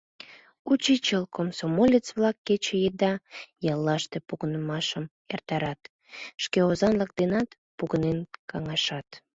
Учичыл, комсомолец-влак кече еда яллаште погынымашым эртарат, шке озанлык денат погынен каҥашат.